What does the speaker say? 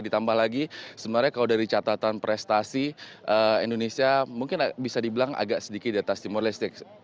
ditambah lagi sebenarnya kalau dari catatan prestasi indonesia mungkin bisa dibilang agak sedikit di atas timor leste